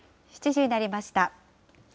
７時になりました。